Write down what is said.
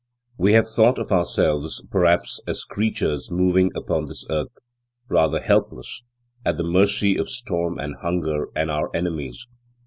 We have thought of ourselves, perhaps, as creatures moving upon this earth, rather helpless, at the mercy of storm and hunger and our enemies.